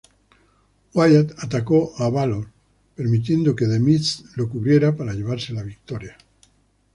Wyatt atacó a Bálor, permitiendo que The Miz lo cubriera para llevarse la victoria.